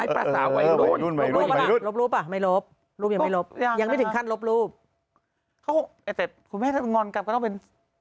อย่าไปตื่นเต้น